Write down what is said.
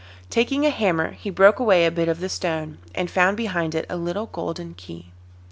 Taking a hammer he broke away a bit of the stone, and found behind it a little golden key.